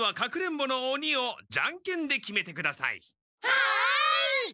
はい！